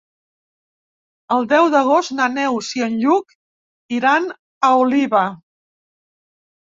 El deu d'agost na Neus i en Lluc iran a Oliva.